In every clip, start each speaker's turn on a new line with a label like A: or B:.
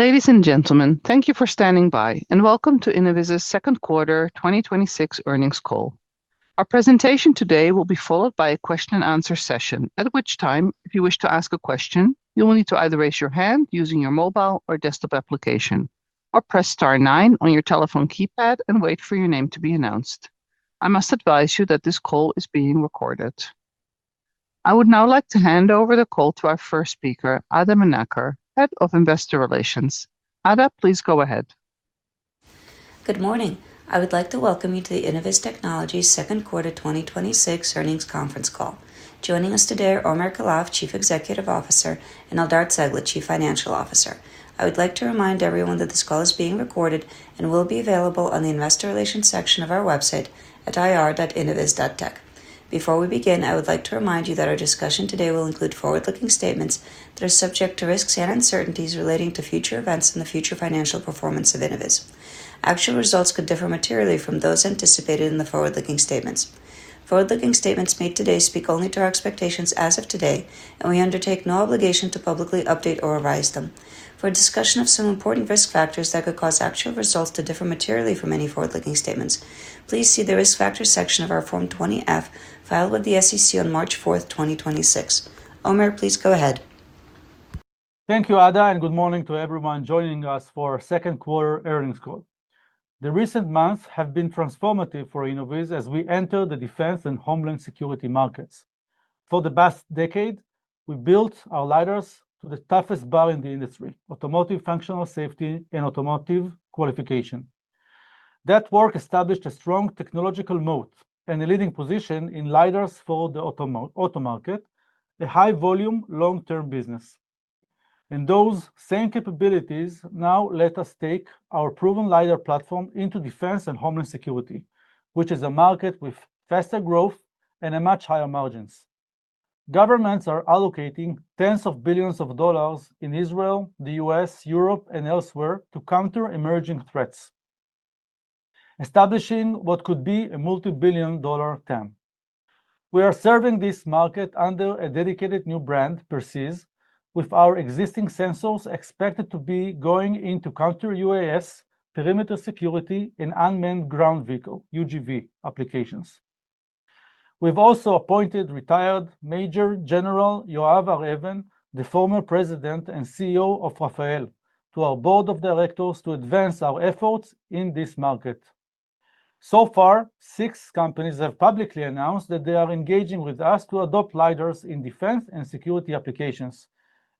A: Ladies and gentlemen, thank you for standing by, and welcome to Innoviz's second quarter 2026 earnings call. Our presentation today will be followed by a question-and-answer session, at which time, if you wish to ask a question, you will need to either raise your hand using your mobile or desktop application or press star nine on your telephone keypad and wait for your name to be announced. I must advise you that this call is being recorded. I would now like to hand over the call to our first speaker, Ada Menaker, Head of Investor Relations. Ada, please go ahead.
B: Good morning. I would like to welcome you to the Innoviz Technologies second quarter 2026 earnings conference call. Joining us today are Omer Keilaf, Chief Executive Officer, and Eldar Cegla, Chief Financial Officer. I would like to remind everyone that this call is being recorded and will be available on the investor relations section of our website at ir.innoviz.tech. Before we begin, I would like to remind you that our discussion today will include forward-looking statements that are subject to risks and uncertainties relating to future events and the future financial performance of Innoviz. Actual results could differ materially from those anticipated in the forward-looking statements. Forward-looking statements made today speak only to our expectations as of today, and we undertake no obligation to publicly update or revise them. For a discussion of some important risk factors that could cause actual results to differ materially from any forward-looking statements, please see the Risk Factors section of our Form 20-F filed with the SEC on March 4th, 2026. Omer, please go ahead.
C: Thank you, Ada, good morning to everyone joining us for our second quarter earnings call. The recent months have been transformative for Innoviz as we enter the defense and homeland security markets. For the past decade, we built our LiDARs to the toughest bar in the industry, automotive functional safety and automotive qualification. That work established a strong technological moat and a leading position in LiDARs for the auto market, a high-volume, long-term business. Those same capabilities now let us take our proven LiDAR platform into defense and homeland security, which is a market with faster growth and much higher margins. Governments are allocating tens of billions of dollars in Israel, the U.S., Europe, and elsewhere to counter emerging threats, establishing what could be a multibillion-dollar TAM. We are serving this market under a dedicated new brand, Perciz, with our existing sensors expected to be going into counter-UAS, perimeter security, and unmanned ground vehicle, UGV, applications. We've also appointed retired Major General Yoav Har-Even, the Former President and CEO of Rafael, to our board of directors to advance our efforts in this market. So far, six companies have publicly announced that they are engaging with us to adopt LiDARs in defense and security applications,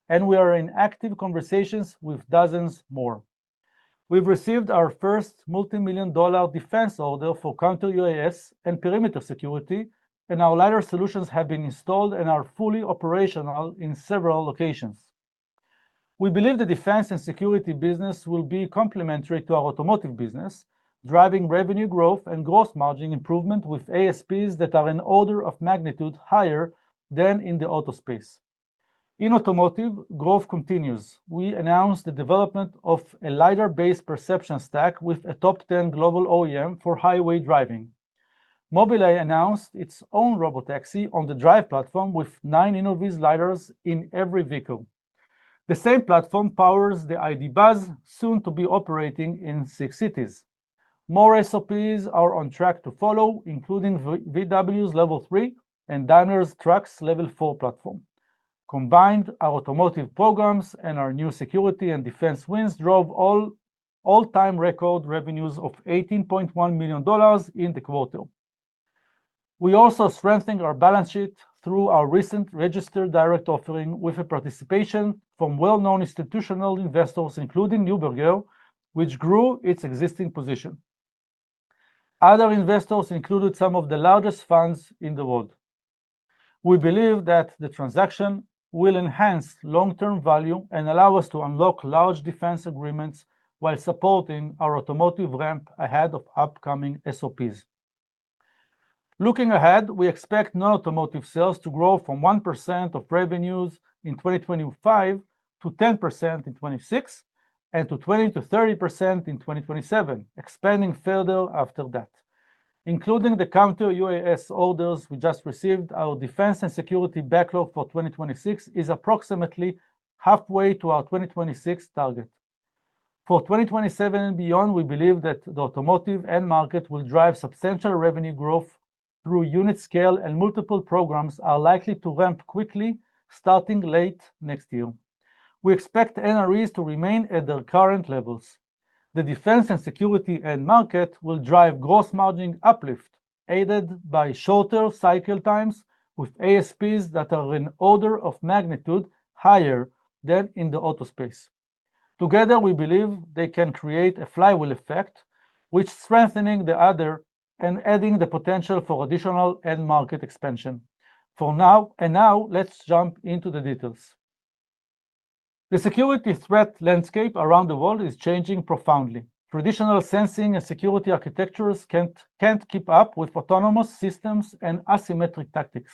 C: and we are in active conversations with dozens more. We've received our first multimillion-dollar defense order for counter-UAS and perimeter security, and our LiDAR solutions have been installed and are fully operational in several locations. We believe the defense and security business will be complementary to our automotive business, driving revenue growth and gross margin improvement with ASPs that are an order of magnitude higher than in the auto space. In automotive, growth continues. We announced the development of a LiDAR-based perception stack with a top 10 global OEM for highway driving. Mobileye announced its own robotaxi on the Drive platform with nine Innoviz LiDARs in every vehicle. The same platform powers the ID. Buzz, soon to be operating in six cities. More SOPs are on track to follow, including VW's Level 3 and Daimler Truck's Level 4 platform. Combined, our automotive programs and our new security and defense wins drove all-time record revenues of $18.1 million in the quarter. We also strengthened our balance sheet through our recent registered direct offering with a participation from well-known institutional investors, including Neuberger, which grew its existing position. Other investors included some of the largest funds in the world. We believe that the transaction will enhance long-term value and allow us to unlock large defense agreements while supporting our automotive ramp ahead of upcoming SOPs. Looking ahead, we expect non-automotive sales to grow from 1% of revenues in 2025 to 10% in 2026 and to 20%-30% in 2027, expanding further after that. Including the counter-UAS orders we just received, our defense and security backlog for 2026 is approximately halfway to our 2026 target. For 2027 and beyond, we believe that the automotive end market will drive substantial revenue growth through unit scale and multiple programs are likely to ramp quickly, starting late next year. We expect NREs to remain at their current levels. The defense and security end market will drive gross margin uplift, aided by shorter cycle times with ASPs that are an order of magnitude higher than in the auto space. Together, we believe they can create a flywheel effect, which strengthening the other and adding the potential for additional end market expansion. Let's jump into the details. The security threat landscape around the world is changing profoundly. Traditional sensing and security architectures can't keep up with autonomous systems and asymmetric tactics.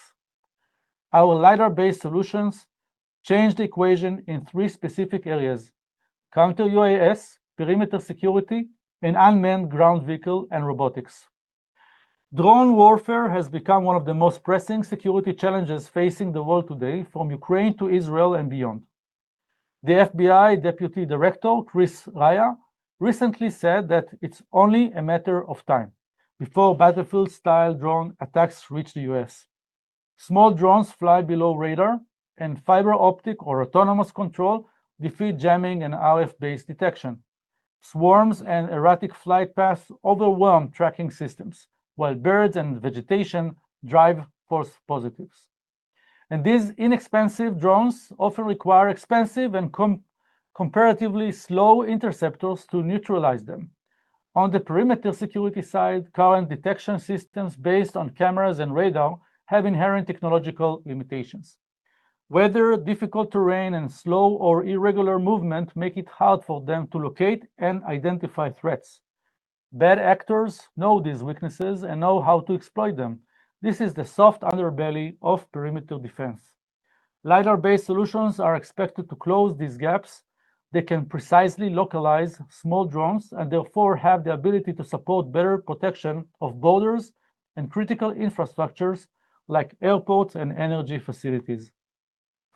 C: Our LiDAR-based solutions change the equation in three specific areas: counter-UAS, perimeter security, and unmanned ground vehicle and robotics. Drone warfare has become one of the most pressing security challenges facing the world today, from Ukraine to Israel and beyond. The FBI Deputy Director, Chris Wray, recently said that it's only a matter of time before battlefield-style drone attacks reach the U.S. Small drones fly below radar, and fiber optic or autonomous control defeat jamming and RF-based detection. Swarms and erratic flight paths overwhelm tracking systems, while birds and vegetation drive false positives. These inexpensive drones often require expensive and comparatively slow interceptors to neutralize them. On the perimeter security side, current detection systems based on cameras and radar have inherent technological limitations. Weather, difficult terrain, and slow or irregular movement make it hard for them to locate and identify threats. Bad actors know these weaknesses and know how to exploit them. This is the soft underbelly of perimeter defense. LiDAR-based solutions are expected to close these gaps. They can precisely localize small drones and therefore have the ability to support better protection of borders and critical infrastructures like airports and energy facilities.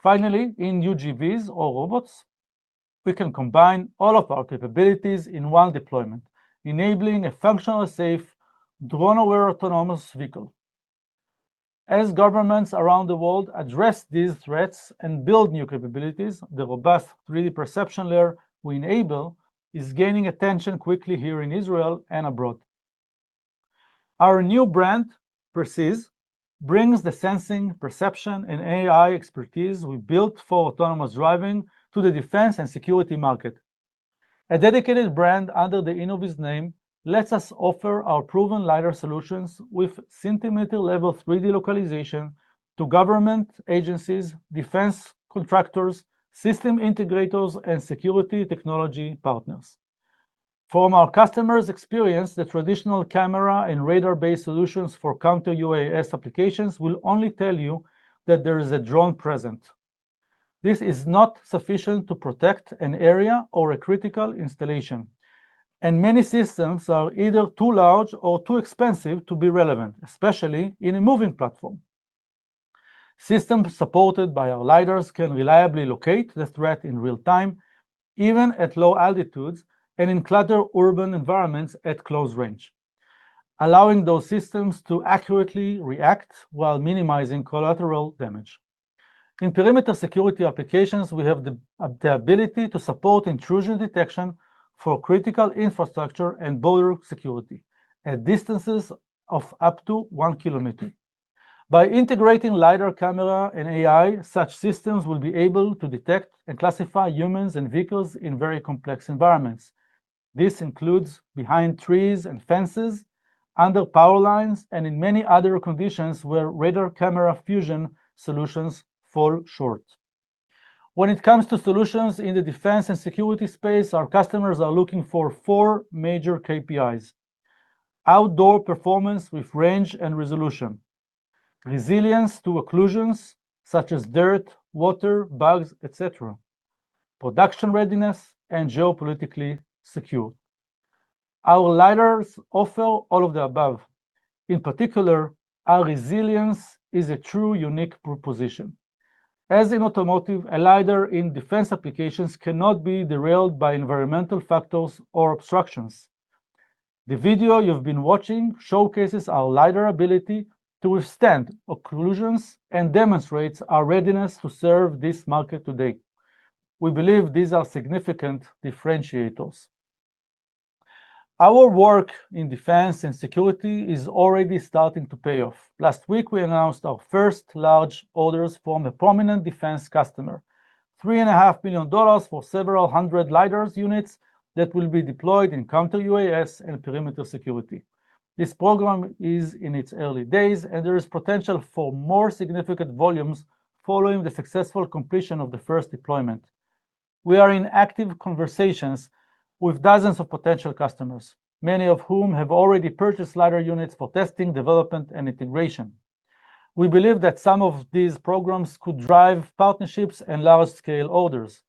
C: Finally, in UGVs or robots, we can combine all of our capabilities in one deployment, enabling a functional, safe, drone-aware, autonomous vehicle. As governments around the world address these threats and build new capabilities, the robust, 3D perception layer we enable is gaining attention quickly here in Israel and abroad. Our new brand, Perciz, brings the sensing, perception, and AI expertise we built for autonomous driving to the defense and security market. A dedicated brand under the Innoviz name lets us offer our proven LiDAR solutions with centimeter-level 3D localization to government agencies, defense contractors, system integrators, and security technology partners. From our customers' experience, the traditional camera and radar-based solutions for counter-UAS applications will only tell you that there is a drone present. This is not sufficient to protect an area or a critical installation. Many systems are either too large or too expensive to be relevant, especially in a moving platform. Systems supported by our LiDARs can reliably locate the threat in real time, even at low altitudes and in cluttered urban environments at close range, allowing those systems to accurately react while minimizing collateral damage. In perimeter security applications, we have the ability to support intrusion detection for critical infrastructure and border security at distances of up to 1 km. By integrating LiDAR camera and AI, such systems will be able to detect and classify humans and vehicles in very complex environments. This includes behind trees and fences, under power lines, and in many other conditions where radar camera fusion solutions fall short. When it comes to solutions in the defense and security space, our customers are looking for four major KPIs. Outdoor performance with range and resolution, resilience to occlusions such as dirt, water, bugs, et cetera, production readiness, and geopolitically secure. Our LiDARs offer all of the above. In particular, our resilience is a true unique proposition. As in automotive, a LiDAR in defense applications cannot be derailed by environmental factors or obstructions. The video you've been watching showcases our LiDAR ability to withstand occlusions and demonstrates our readiness to serve this market today. We believe these are significant differentiators. Our work in defense and security is already starting to pay off. Last week, we announced our first large orders from a prominent defense customer $3.5 million for several hundred LiDAR units that will be deployed in counter-UAS and perimeter security. This program is in its early days, and there is potential for more significant volumes following the successful completion of the first deployment. We are in active conversations with dozens of potential customers, many of whom have already purchased LiDAR units for testing, development, and integration. We believe that some of these programs could drive partnerships and large-scale orders.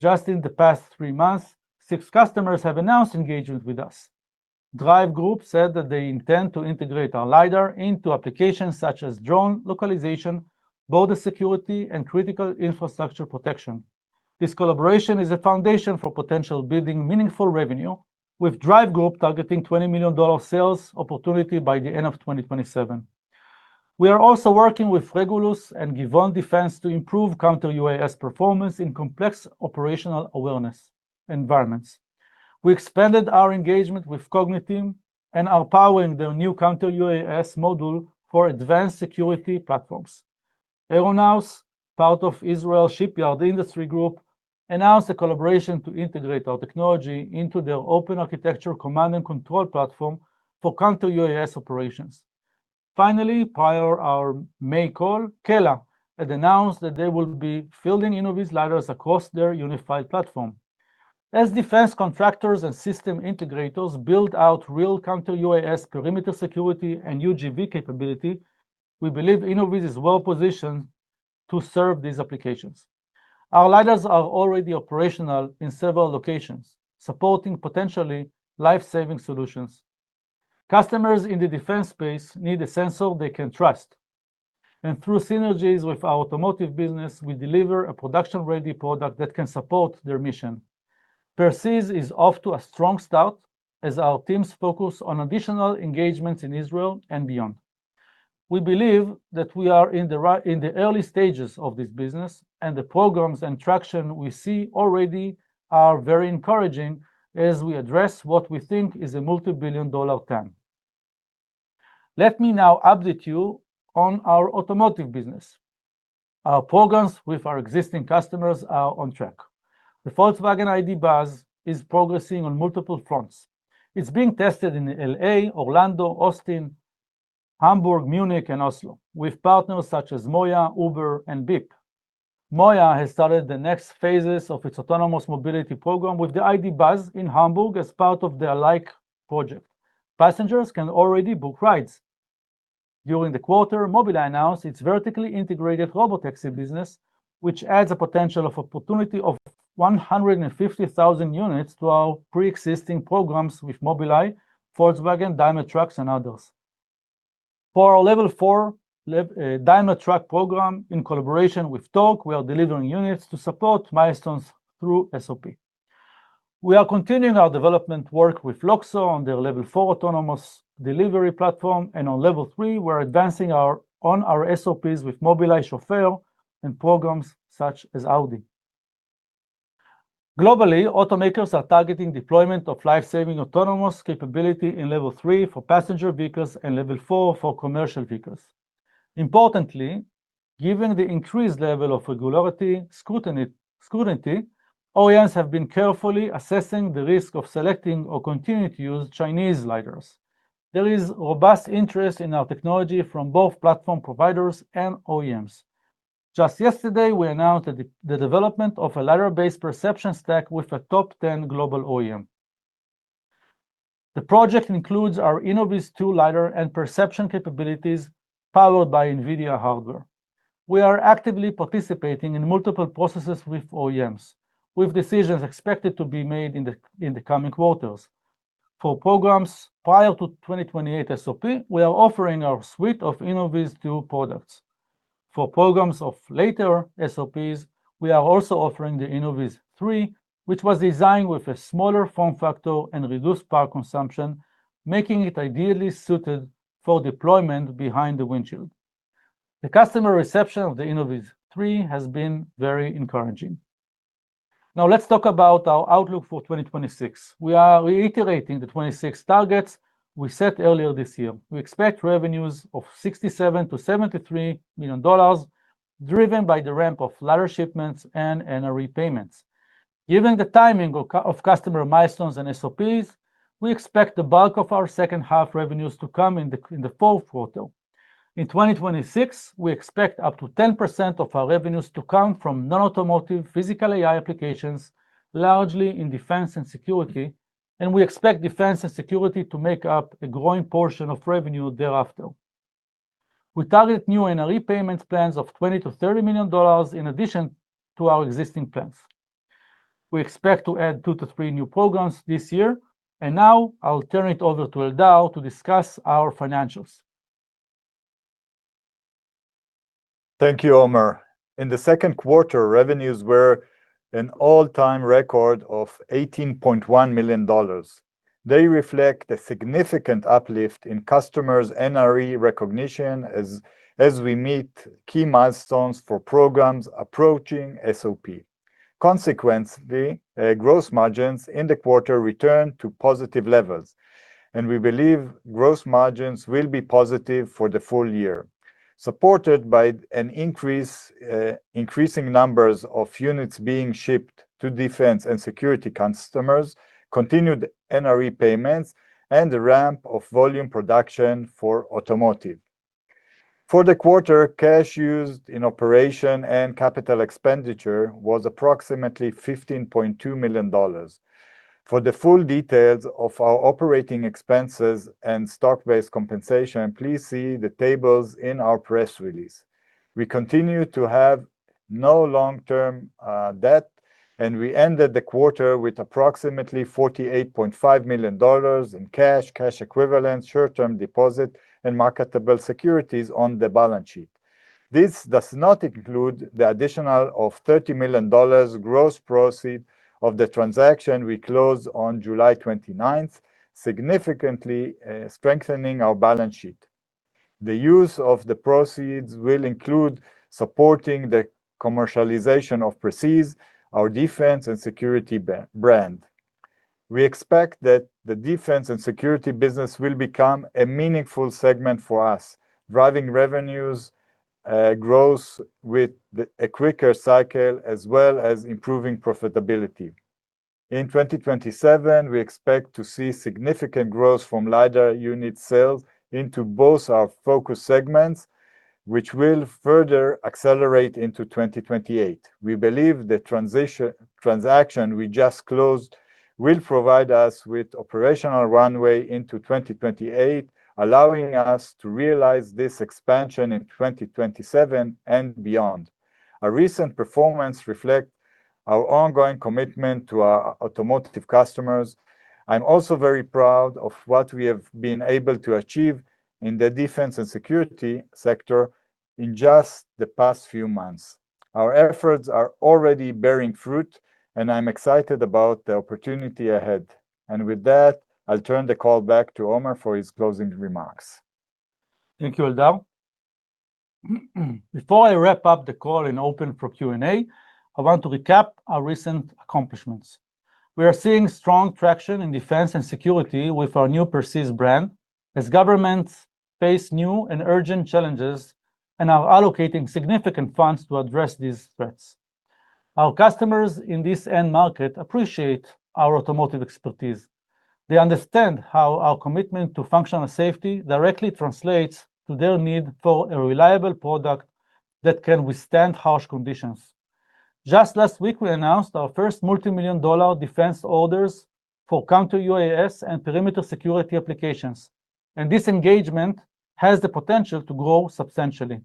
C: Just in the past three months, six customers have announced engagement with us. Drive Group said that they intend to integrate our LiDAR into applications such as drone localization, border security, and critical infrastructure protection. This collaboration is a foundation for potential building meaningful revenue, with Drive Group targeting $20 million sales opportunity by the end of 2027. We are also working with Regulus and Givon Defense to improve counter-UAS performance in complex operational awareness environments. We expanded our engagement with Cogniteam and are powering their new counter-UAS module for advanced security platforms. AeroNous, part of Israel Shipyards Industries Group, announced a collaboration to integrate our technology into their open architecture command and control platform for counter-UAS operations. Finally, prior our May call, Kela had announced that they will be fielding Innoviz LiDARs across their unified platform. As defense contractors and system integrators build out real counter-UAS perimeter security and UGV capability, we believe Innoviz is well-positioned to serve these applications. Our LiDARs are already operational in several locations, supporting potentially life-saving solutions. Customers in the defense space need a sensor they can trust, and through synergies with our automotive business, we deliver a production-ready product that can support their mission. Perciz is off to a strong start as our teams focus on additional engagements in Israel and beyond. We believe that we are in the early stages of this business, and the programs and traction we see already are very encouraging as we address what we think is a multi-billion-dollar TAM. Let me now update you on our automotive business. Our programs with our existing customers are on track. The Volkswagen ID. Buzz is progressing on multiple fronts. It's being tested in L.A., Orlando, Austin, Hamburg, Munich, and Oslo with partners such as MOIA, Uber, and Beep. MOIA has started the next phases of its autonomous mobility program with the ID. Buzz in Hamburg as part of their ALIKE project. Passengers can already book rides. During the quarter, Mobileye announced its vertically integrated robotaxi business, which adds a potential of opportunity of 150,000 units to our preexisting programs with Mobileye, Volkswagen, Daimler Truck, and others. For our Level 4 Daimler Truck program in collaboration with Torc, we are delivering units to support milestones through SOP. We are continuing our development work with LOXO on their Level 4 autonomous delivery platform, and on Level 3, we're advancing on our SOPs with Mobileye Chauffeur and programs such as Audi. Globally, automakers are targeting deployment of life-saving autonomous capability in Level 3 for passenger vehicles and Level 4 for commercial vehicles. Importantly, given the increased level of regulatory scrutiny, OEMs have been carefully assessing the risk of selecting or continuing to use Chinese LiDARs. There is robust interest in our technology from both platform providers and OEMs. Just yesterday, we announced the development of a LiDAR-based perception stack with a top 10 global OEM. The project includes our InnovizTwo LiDAR and perception capabilities powered by NVIDIA hardware. We are actively participating in multiple processes with OEMs, with decisions expected to be made in the coming quarters. For programs prior to 2028 SOP, we are offering our suite of InnovizTwo products. For programs of later SOPs, we are also offering the InnovizThree, which was designed with a smaller form factor and reduced power consumption, making it ideally suited for deployment behind the windshield. The customer reception of the InnovizThree has been very encouraging. Now let's talk about our outlook for 2026. We are reiterating the 2026 targets we set earlier this year. We expect revenues of $67 million-$73 million, driven by the ramp of LiDAR shipments and NRE payments. Given the timing of customer milestones and SOPs, we expect the bulk of our second-half revenues to come in the fourth quarter. In 2026, we expect up to 10% of our revenues to come from non-automotive physical AI applications, largely in defense and security, and we expect defense and security to make up a growing portion of revenue thereafter. We target new NRE payments plans of $20 million-$30 million in addition to our existing plans. We expect to add two to three new programs this year. Now I'll turn it over to Eldar to discuss our financials.
D: Thank you, Omer. In the second quarter, revenues were an all-time record of $18.1 million. They reflect a significant uplift in customers' NRE recognition as we meet key milestones for programs approaching SOP. Consequently, gross margins in the quarter returned to positive levels. We believe gross margins will be positive for the full year, supported by increasing numbers of units being shipped to defense and security customers, continued NRE payments, and the ramp of volume production for automotive. For the quarter, cash used in operation and capital expenditure was approximately $15.2 million. For the full details of our operating expenses and stock-based compensation, please see the tables in our press release. We continue to have no long-term debt. We ended the quarter with approximately $48.5 million in cash equivalents, short-term deposits, and marketable securities on the balance sheet. This does not include the additional of $30 million gross proceeds of the transaction we closed on July 29th, significantly strengthening our balance sheet. The use of the proceeds will include supporting the commercialization of Perciz, our defense and security brand. We expect that the defense and security business will become a meaningful segment for us, driving revenues growth with a quicker cycle, as well as improving profitability. In 2027, we expect to see significant growth from LiDAR unit sales into both our focus segments, which will further accelerate into 2028. We believe the transaction we just closed will provide us with operational runway into 2028, allowing us to realize this expansion in 2027 and beyond. Our recent performance reflects our ongoing commitment to our automotive customers. I'm also very proud of what we have been able to achieve in the defense and security sector in just the past few months. Our efforts are already bearing fruit. I'm excited about the opportunity ahead. With that, I'll turn the call back to Omer for his closing remarks.
C: Thank you, Eldar. Before I wrap up the call and open for Q&A, I want to recap our recent accomplishments. We are seeing strong traction in defense and security with our new Perciz brand as governments face new and urgent challenges and are allocating significant funds to address these threats. Our customers in this end market appreciate our automotive expertise. They understand how our commitment to functional safety directly translates to their need for a reliable product that can withstand harsh conditions. Just last week, we announced our first multi-million dollar defense orders for C-UAS and perimeter security applications, and this engagement has the potential to grow substantially.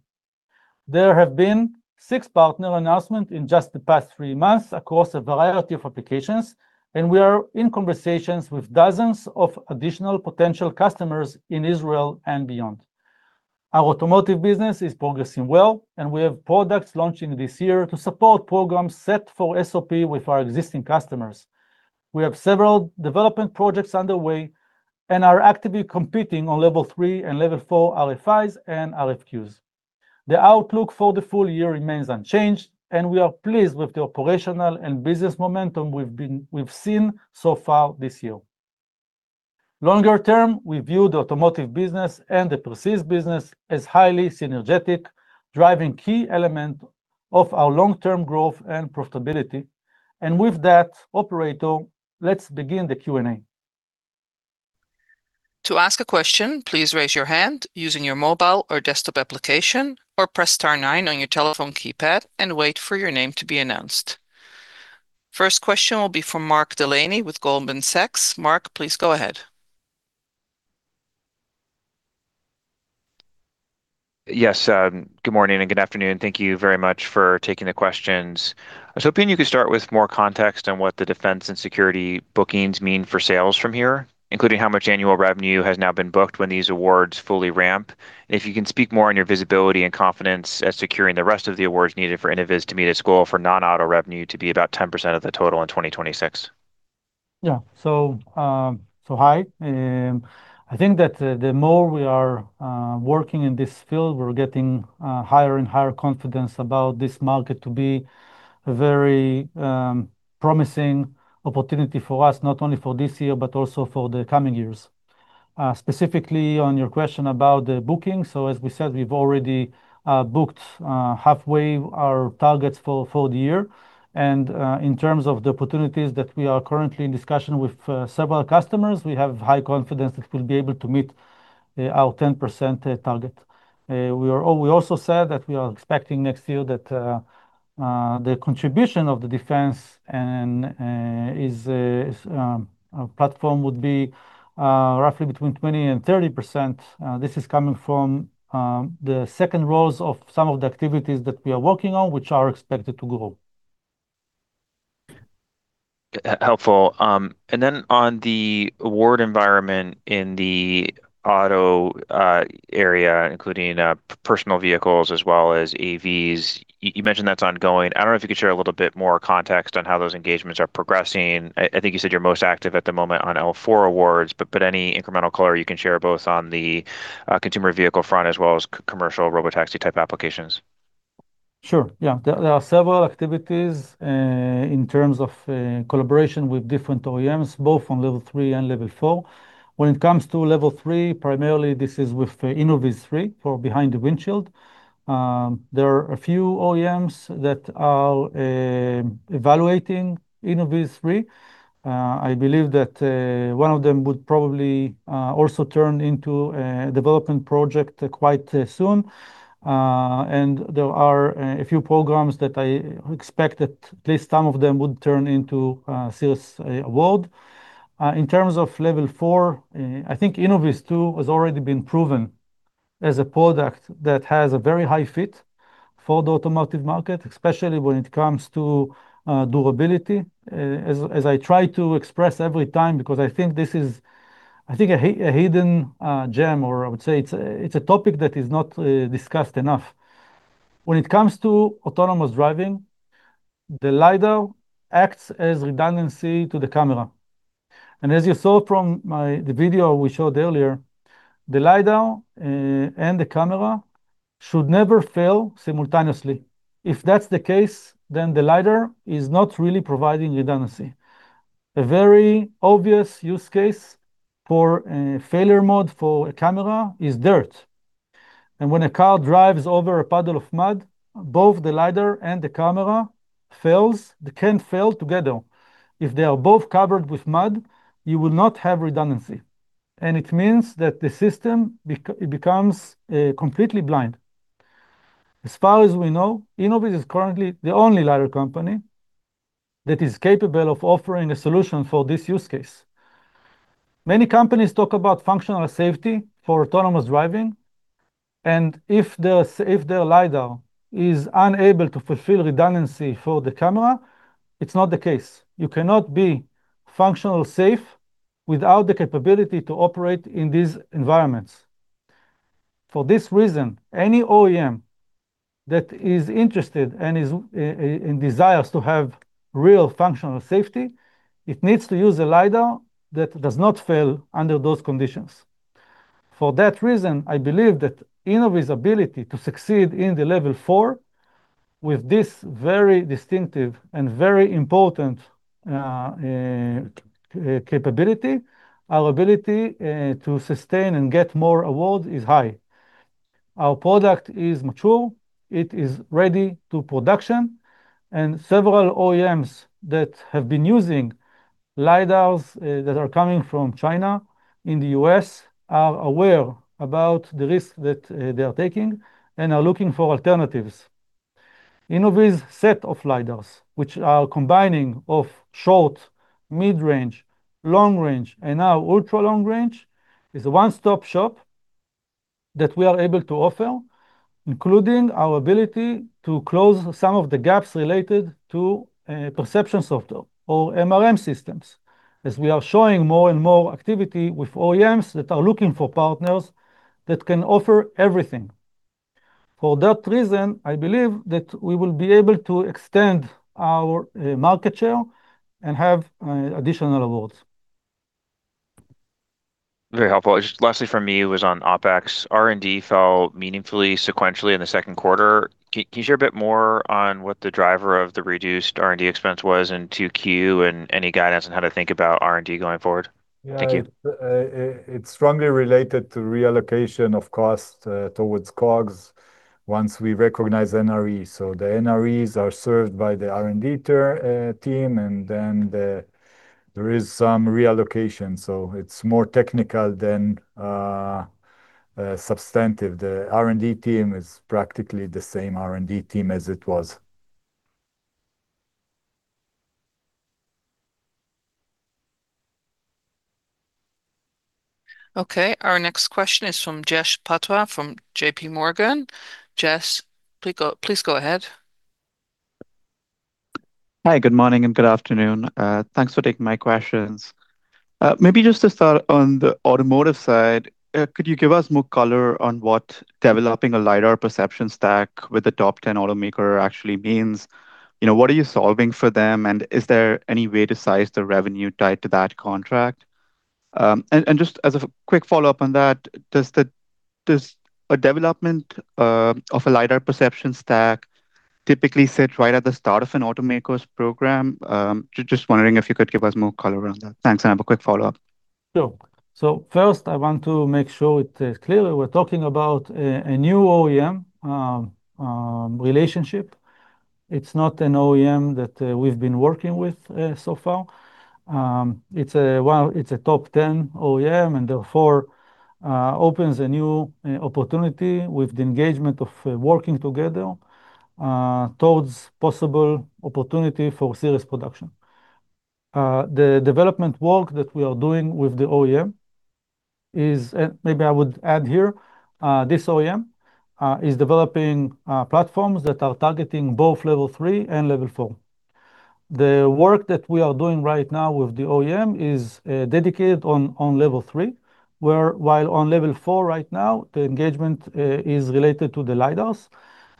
C: There have been six partner announcements in just the past three months across a variety of applications, and we are in conversations with dozens of additional potential customers in Israel and beyond. Our automotive business is progressing well, and we have products launching this year to support programs set for SOP with our existing customers. We have several development projects underway and are actively competing on Level 3 and Level 4 RFIs and RFQs. The outlook for the full year remains unchanged, and we are pleased with the operational and business momentum we've seen so far this year. Longer term, we view the automotive business and the Perciz business as highly synergetic, driving key elements of our long-term growth and profitability. With that, operator, let's begin the Q&A.
A: To ask a question, please raise your hand using your mobile or desktop application, or press star nine on your telephone keypad and wait for your name to be announced. First question will be from Mark Delaney with Goldman Sachs. Mark, please go ahead.
E: Yes. Good morning and good afternoon. Thank you very much for taking the questions. I was hoping you could start with more context on what the defense and security bookings mean for sales from here, including how much annual revenue has now been booked when these awards fully ramp, and if you can speak more on your visibility and confidence at securing the rest of the awards needed for Innoviz to meet its goal for non-auto revenue to be about 10% of the total in 2026.
C: Hi. I think that the more we are working in this field, we're getting higher and higher confidence about this market to be a very promising opportunity for us, not only for this year, but also for the coming years. Specifically, on your question about the bookings, as we said, we've already booked halfway our targets for the year. In terms of the opportunities that we are currently in discussion with several customers, we have high confidence that we'll be able to meet our 10% target. We also said that we are expecting next year that the contribution of the defense platform would be roughly between 20% and 30%. This is coming from the second rows of some of the activities that we are working on, which are expected to grow.
E: Helpful. On the award environment in the auto area, including personal vehicles as well as AVs, you mentioned that's ongoing. I don't know if you could share a little bit more context on how those engagements are progressing. I think you said you're most active at the moment on L4 awards, any incremental color you can share both on the consumer vehicle front as well as commercial robotaxi-type applications?
C: Sure. There are several activities in terms of collaboration with different OEMs, both on Level 3 and Level 4. When it comes to Level 3, primarily this is with InnovizThree for behind the windshield. There are a few OEMs that are evaluating InnovizThree. I believe that one of them would probably also turn into a development project quite soon. There are a few programs that I expect that at least some of them would turn into a serious award. In terms of Level 4, I think InnovizTwo has already been proven as a product that has a very high fit for the automotive market, especially when it comes to durability. As I try to express every time, because I think a hidden gem, or I would say it's a topic that is not discussed enough. When it comes to autonomous driving, the LiDAR acts as redundancy to the camera. As you saw from the video we showed earlier, the LiDAR and the camera should never fail simultaneously. If that's the case, the LiDAR is not really providing redundancy. A very obvious use case for a failure mode for a camera is dirt. When a car drives over a puddle of mud, both the LiDAR and the camera can fail together. If they are both covered with mud, you will not have redundancy, and it means that the system becomes completely blind. As far as we know, Innoviz is currently the only LiDAR company that is capable of offering a solution for this use case. Many companies talk about functional safety for autonomous driving, if their LiDAR is unable to fulfill redundancy for the camera, it's not the case. You cannot be functional safe without the capability to operate in these environments. For this reason, any OEM that is interested and desires to have real functional safety, it needs to use a LiDAR that does not fail under those conditions. For that reason, I believe that Innoviz ability to succeed in the Level 4 with this very distinctive and very important capability, our ability to sustain and get more award is high. Our product is mature, it is ready to production, and several OEMs that have been using LiDARs that are coming from China in the U.S. are aware about the risk that they are taking and are looking for alternatives. Innoviz set of LiDARs, which are combining of short, mid-range, long-range, and now ultra-long range, is a one-stop shop that we are able to offer, including our ability to close some of the gaps related to perception software or MRM systems, as we are showing more and more activity with OEMs that are looking for partners that can offer everything. For that reason, I believe that we will be able to extend our market share and have additional awards.
E: Very helpful. Just lastly from me was on OpEx. R&D fell meaningfully sequentially in the second quarter. Can you share a bit more on what the driver of the reduced R&D expense was in 2Q and any guidance on how to think about R&D going forward? Thank you.
D: Yeah. It's strongly related to reallocation of cost towards COGS once we recognize NRE. The NREs are served by the R&D team, then there is some reallocation. It's more technical than substantive. The R&D team is practically the same R&D team as it was.
A: Okay, our next question is from Jash Patwa from JPMorgan. Jash, please go ahead.
F: Hi. Good morning and good afternoon. Thanks for taking my questions. Maybe just to start on the automotive side, could you give us more color on what developing a LiDAR perception stack with a top 10 automaker actually means? What are you solving for them, and is there any way to size the revenue tied to that contract? Just as a quick follow-up on that, does a development of a LiDAR perception stack typically sit right at the start of an automaker's program? Just wondering if you could give us more color around that. Thanks. I have a quick follow-up.
C: Sure. First, I want to make sure it is clear we're talking about a new OEM relationship. It's not an OEM that we've been working with so far. It's a top 10 OEM, therefore, opens a new opportunity with the engagement of working together towards possible opportunity for serious production. Maybe I would add here, this OEM is developing platforms that are targeting both Level 3 and Level 4. The work that we are doing right now with the OEM is dedicated on Level 3, while on Level 4 right now, the engagement is related to the LiDARs.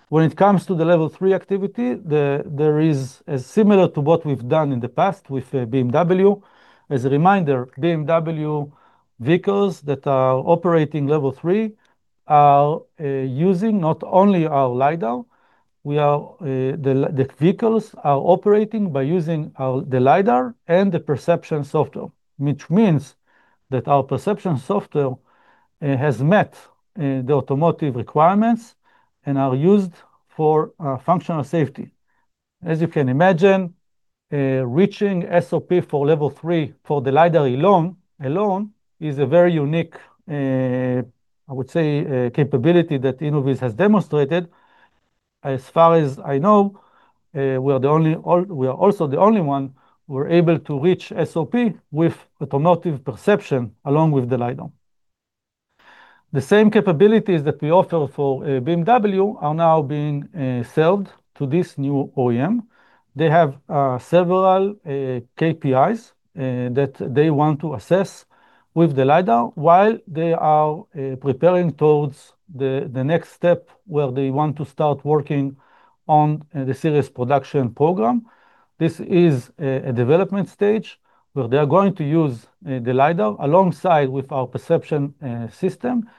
C: When it comes to the Level 3 activity, there is similar to what we've done in the past with BMW. As a reminder, BMW vehicles that are operating Level 3 are using not only our LiDAR, the vehicles are operating by using the LiDAR and the perception software, which means that our perception software has met the automotive requirements and are used for functional safety. As you can imagine, reaching SOP for Level 3 for the LiDAR alone is a very unique, I would say, capability that Innoviz has demonstrated. As far as I know, we are also the only one who are able to reach SOP with automotive perception along with the LiDAR. The same capabilities that we offer for BMW are now being sold to this new OEM. They have several KPIs that they want to assess with the LiDAR while they are preparing towards the next step, where they want to start working on the serious production program. This is a development stage where they're going to use the LiDAR alongside with our perception system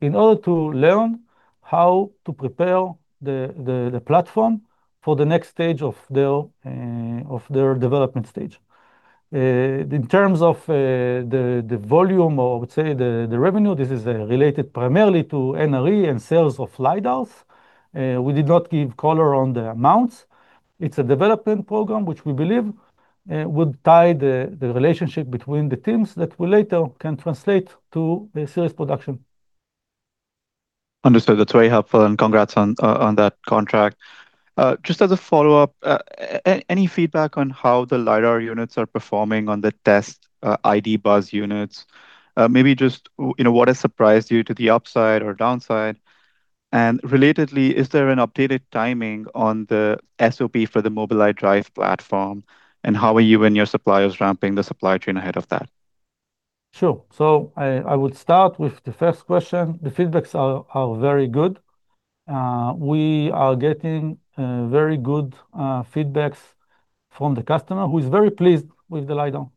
C: in order to learn how to prepare the platform for the next stage of their development stage. In terms of the volume, or I would say the revenue, this is related primarily to NRE and sales of LiDARs. We did not give color on the amounts. It's a development program which we believe would tie the relationship between the teams that will later can translate to the series production.
F: Understood. That's very helpful and congrats on that contract. Just as a follow-up, any feedback on how the LiDAR units are performing on the test ID. Buzz units? Maybe just what has surprised you to the upside or downside? Relatedly, is there an updated timing on the SOP for the Mobileye Drive platform, and how are you and your suppliers ramping the supply chain ahead of that?
C: Sure. I would start with the first question. The feedbacks are very good. We are getting very good feedbacks from the customer who is very pleased with the LiDAR.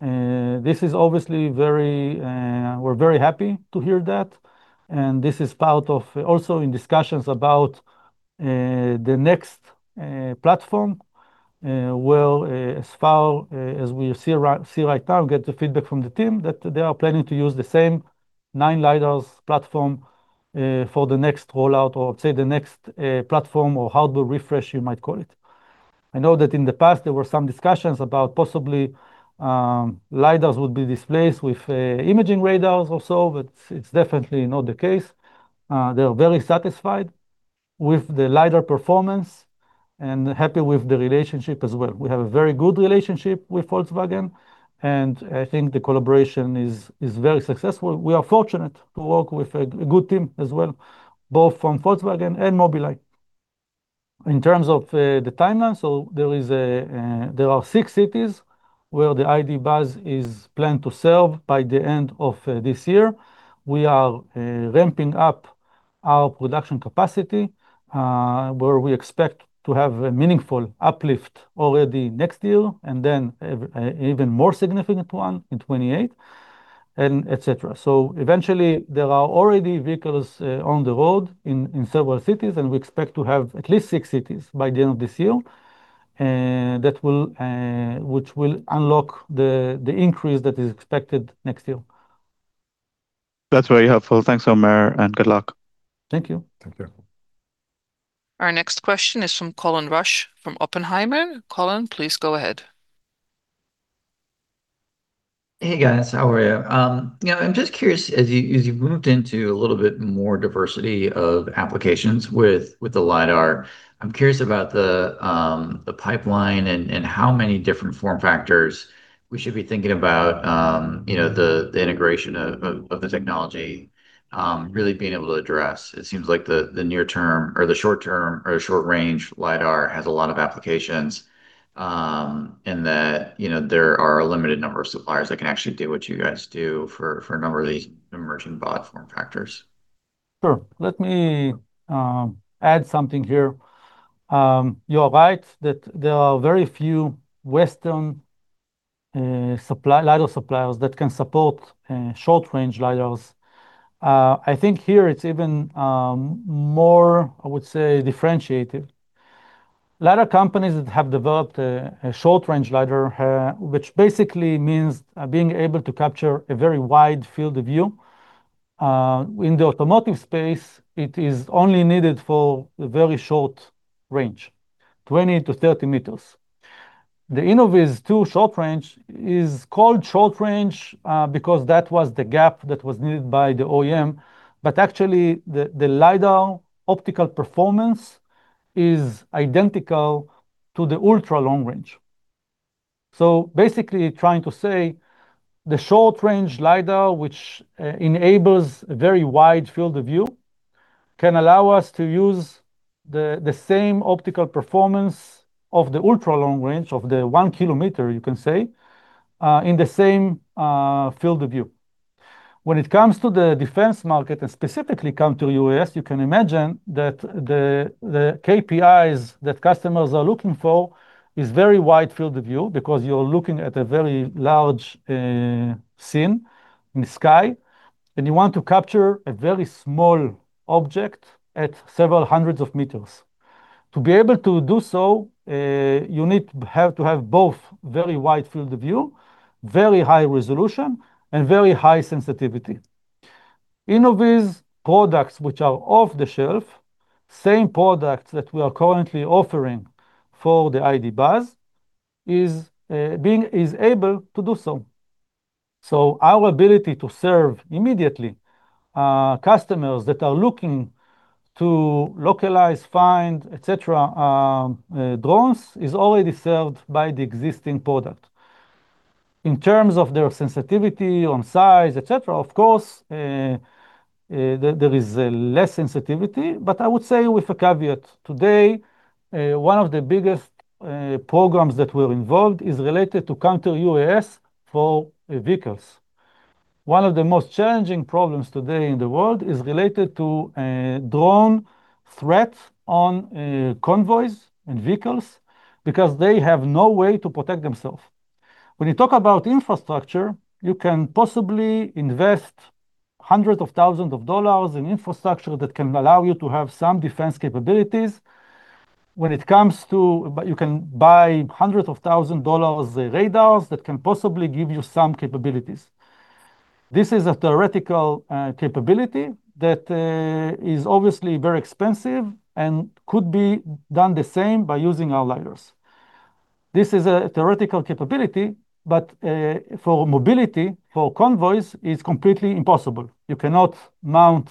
C: We're very happy to hear that, and this is part of also in discussions about the next platform, where as far as we see right now, get the feedback from the team, that they are planning to use the same nine LiDARs platform for the next rollout or, say, the next platform or hardware refresh, you might call it. I know that in the past, there were some discussions about possibly LiDARs would be displaced with imaging radars or so, but it's definitely not the case. They are very satisfied with the LiDAR performance and happy with the relationship as well. We have a very good relationship with Volkswagen, and I think the collaboration is very successful. We are fortunate to work with a good team as well, both from Volkswagen and Mobileye. In terms of the timeline, there are six cities where the ID. Buzz is planned to sell by the end of this year. We are ramping up our production capacity, where we expect to have a meaningful uplift already next year and then even more significant one in 2028, et cetera. Eventually, there are already vehicles on the road in several cities, and we expect to have at least six cities by the end of this year, which will unlock the increase that is expected next year.
F: That's very helpful. Thanks, Omer, and good luck.
C: Thank you.
D: Thank you.
A: Our next question is from Colin Rusch from Oppenheimer. Colin, please go ahead.
G: Hey, guys. How are you? I'm just curious, as you've moved into a little bit more diversity of applications with the LiDAR, I'm curious about the pipeline and how many different form factors we should be thinking about the integration of the technology really being able to address. It seems like the near term or the short term or short range LiDAR has a lot of applications and that there are a limited number of suppliers that can actually do what you guys do for a number of these emerging bot form factors.
C: Sure. Let me add something here. You are right that there are very few Western LiDAR suppliers that can support short-range LiDARs. I think here it's even more, I would say, differentiated. Lidar companies that have developed a short-range LiDAR, which basically means being able to capture a very wide field of view. In the automotive space, it is only needed for a very short range, 20 m-30 m. The InnovizTwo short range is called short range because that was the gap that was needed by the OEM. Actually, the LiDAR optical performance is identical to the ultra-long range. Basically trying to say the short-range LiDAR, which enables a very wide field of view, can allow us to use the same optical performance of the ultra-long range of the 1 km, you can say, in the same field of view. When it comes to the defense market, and specifically counter-UAS, you can imagine that the KPIs that customers are looking for is very wide field of view because you're looking at a very large scene in the sky, and you want to capture a very small object at several hundreds of meters. To be able to do so, you need to have both very wide field of view, very high resolution, and very high sensitivity. Innoviz products, which are off the shelf, same products that we are currently offering for the ID. Buzz, is able to do so. Our ability to serve immediately customers that are looking to localize, find, et cetera, drones is already served by the existing product. In terms of their sensitivity on size, et cetera, of course, there is less sensitivity. I would say with a caveat, today, one of the biggest programs that we're involved is related to counter-UAS for vehicles. One of the most challenging problems today in the world is related to drone threats on convoys and vehicles because they have no way to protect themselves. When you talk about infrastructure, you can possibly invest hundreds of thousands of dollars in infrastructure that can allow you to have some defense capabilities. You can buy hundreds of thousand dollars radars that can possibly give you some capabilities. This is a theoretical capability that is obviously very expensive and could be done the same by using our LiDARs. This is a theoretical capability, but for mobility, for convoys, it's completely impossible. You cannot mount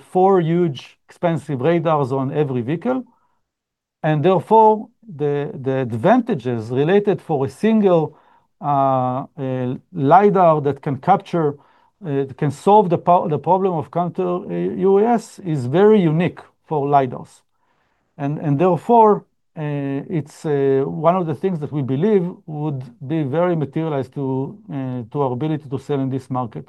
C: four huge, expensive radars on every vehicle, therefore, the advantages related for a single LiDAR that can solve the problem of counter-UAS is very unique for LiDARs. Therefore, it's one of the things that we believe would be very materialized to our ability to sell in this market.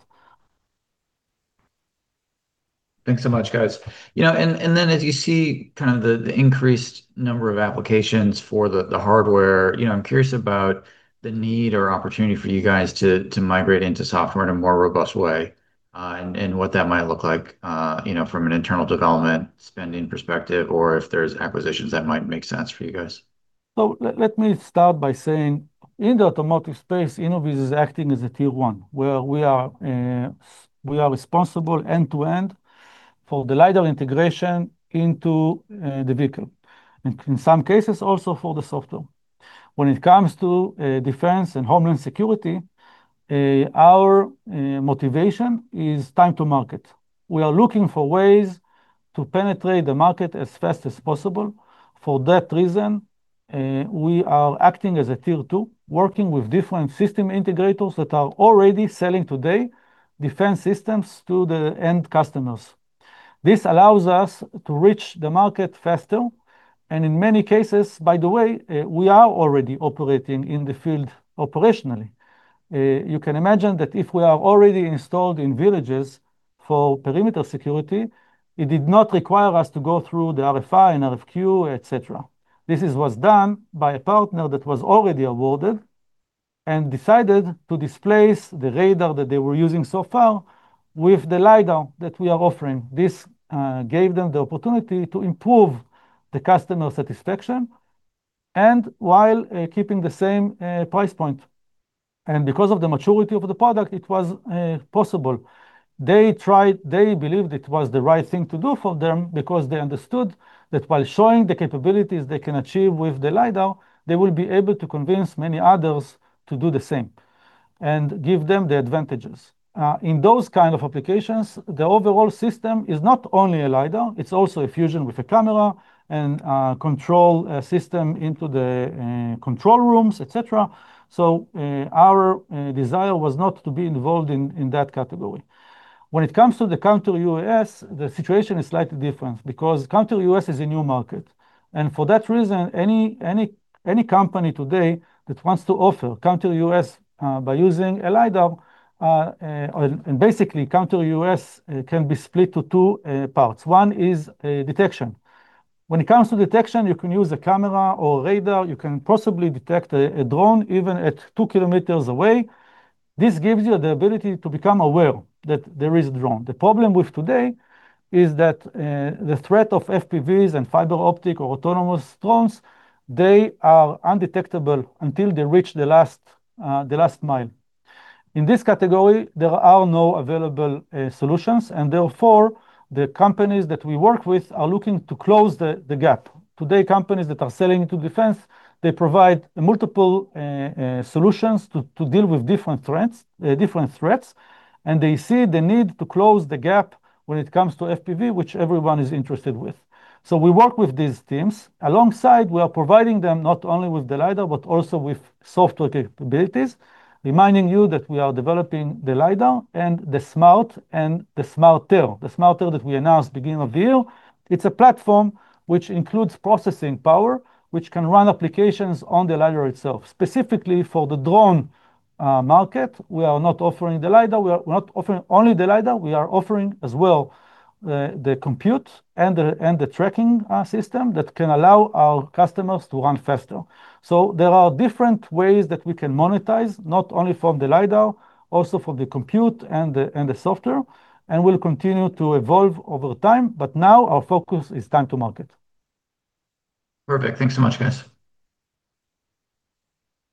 G: Thanks so much, guys. Then as you see the increased number of applications for the hardware, I'm curious about the need or opportunity for you guys to migrate into software in a more robust way and what that might look like from an internal development spending perspective, or if there's acquisitions that might make sense for you guys.
C: Let me start by saying, in the automotive space, Innoviz is acting as a tier one, where we are responsible end to end for the LiDAR integration into the vehicle, and in some cases, also for the software. When it comes to defense and homeland security, our motivation is time to market. We are looking for ways to penetrate the market as fast as possible. For that reason, we are acting as a tier two, working with different system integrators that are already selling today defense systems to the end customers. This allows us to reach the market faster, and in many cases, by the way, we are already operating in the field operationally. You can imagine that if we are already installed in villages for perimeter security, it did not require us to go through the RFI and RFQ, et cetera. This was done by a partner that was already awarded and decided to displace the radar that they were using so far with the LiDAR that we are offering. This gave them the opportunity to improve the customer satisfaction and while keeping the same price point. Because of the maturity of the product, it was possible. They believed it was the right thing to do for them because they understood that while showing the capabilities they can achieve with the LiDAR, they will be able to convince many others to do the same and give them the advantages. In those kind of applications, the overall system is not only a LiDAR, it's also a fusion with a camera and control system into the control rooms, et cetera. Our desire was not to be involved in that category. When it comes to the counter-UAS, the situation is slightly different because counter-UAS is a new market. For that reason, any company today that wants to offer counter-UAS by using a LiDAR, and basically, counter-UAS can be split to two parts. One is detection. When it comes to detection, you can use a camera or radar. You can possibly detect a drone even at 2 km away. This gives you the ability to become aware that there is a drone. The problem with today is that the threat of FPVs and fiber optic or autonomous drones, they are undetectable until they reach the last mile. In this category, there are no available solutions, therefore, the companies that we work with are looking to close the gap. Today, companies that are selling to defense, they provide multiple solutions to deal with different threats, they see the need to close the gap when it comes to FPV, which everyone is interested with. We work with these teams. Alongside, we are providing them not only with the LiDAR, but also with software capabilities, reminding you that we are developing the LiDAR and the InnovizSMART and the InnovizSMARTer. The InnovizSMARTer that we announced beginning of the year, it is a platform which includes processing power, which can run applications on the LiDAR itself. Specifically for the drone market, we are not offering the LiDAR. We are not offering only the LiDAR, we are offering as well the compute and the tracking system that can allow our customers to run faster. There are different ways that we can monetize, not only from the LiDAR, also from the compute and the software, will continue to evolve over time. Now our focus is time to market.
G: Perfect. Thanks so much, guys.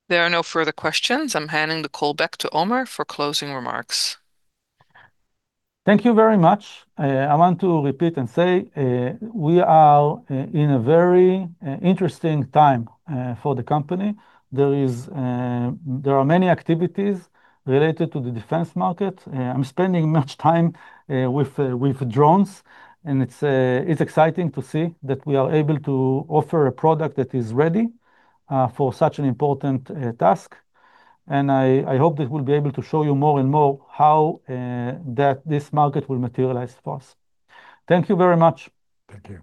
A: There are no further questions. I'm handing the call back to Omer for closing remarks.
C: Thank you very much. I want to repeat and say, we are in a very interesting time for the company. There are many activities related to the defense market. I'm spending much time with drones, and it's exciting to see that we are able to offer a product that is ready for such an important task, and I hope that we'll be able to show you more and more how that this market will materialize for us. Thank you very much.
D: Thank you.